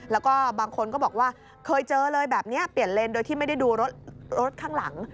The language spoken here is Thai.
แล้วก็บางคนก็บอกว่าเคยเจอเลยแบบนี้เปลี่ยนเลนโดยที่ไม่ได้ดูรถข้างหลัง